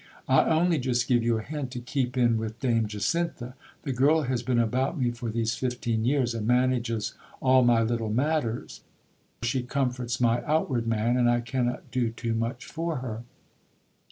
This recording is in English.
I only just give you a hint to keep in with Dame Jacintha ; the girl has been about me for these fifteen years, and manages all my little matters ; she comforts my outward man, and I cannot do too much for her.